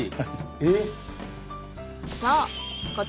えっ。